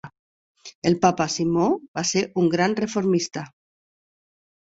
El Papa Simó va ser un gran reformista.